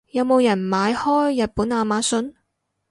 有冇人買開日本亞馬遜？